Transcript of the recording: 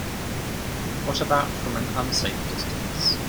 What about from an unsafe distance?